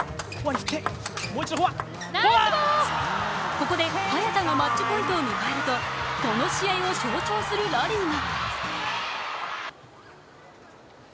ここで早田がマッチポイントを迎えるとこの試合を象徴するラリーに。